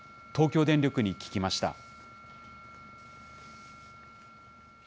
東京電力に聞きました。